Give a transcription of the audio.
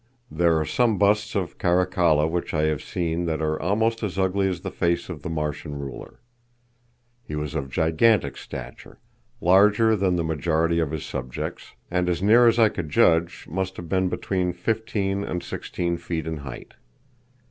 There are some busts of Caracalla which I have seen that are almost as ugly as the face of the Martian ruler. He was of gigantic stature, larger than the majority of his subjects, and as near as I could judge must have been between fifteen and sixteen feet in height.